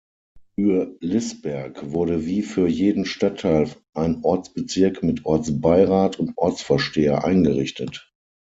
Für Lißberg wurde wie für jeden Stadtteil ein Ortsbezirk mit Ortsbeirat und Ortsvorsteher eingerichtet.